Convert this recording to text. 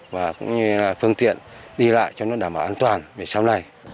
và cũng như là phương tiện đi lại cho nó đảm bảo an toàn về sau này